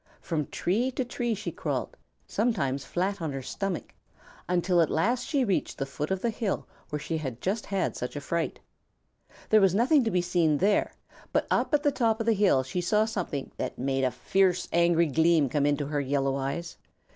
From tree to tree she crawled, sometimes flat on her stomach, until at last she reached the foot of the hill where she had just had such a fright. There was nothing to be seen there, but up at the top of the hill she saw something that made a fierce, angry gleam come into her yellow eyes.